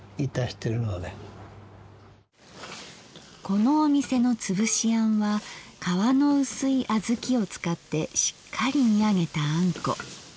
このお店の「つぶしあん」は皮の薄いあずきを使ってしっかり煮上げたあんこ。